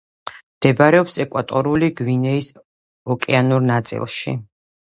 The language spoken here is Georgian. მდებარეობს ეკვატორული გვინეის ოკეანურ ნაწილში.